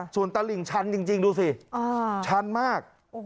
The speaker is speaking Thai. ส่วนตลิ่งชันจริงดูสิชันมาก